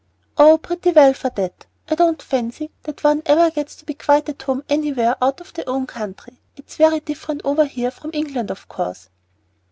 "Oh, pretty well for that. I don't fancy that one ever gets to be quite at home anywhere out of their own country. It's very different over here from England, of course."